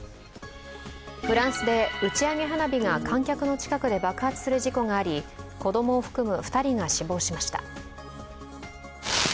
フランスで打ち上げ花火が観客の近くで爆発する事故があり子供を含む２人が死亡しました。